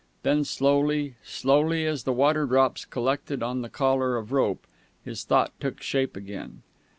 Then slowly, slowly, as the water drops collected on the collar of rope, his thought took shape again.